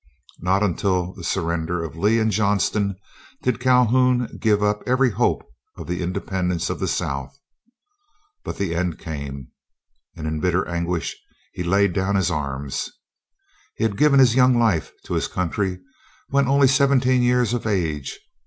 Not until the surrender of Lee and Johnston did Calhoun give up every hope of the independence of the South. But the end came, and in bitter anguish he laid down his arms. He had given his young life to his country when only seventeen years of age.